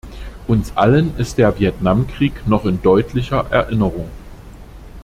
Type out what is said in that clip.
Uns allen ist der Vietnamkrieg noch in deutlicher Erinnerung.